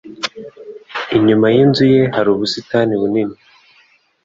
Inyuma yinzu ye hari ubusitani bunini.